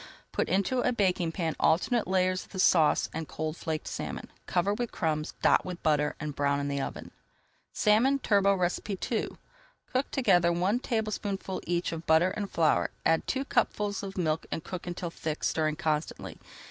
Put into a baking pan alternate layers of the sauce and cold flaked salmon, cover with crumbs, dot with butter, and brown in the oven. SALMON TURBOT II Cook together one tablespoonful each of butter and flour, add two cupfuls of milk and cook until thick, stirring constantly.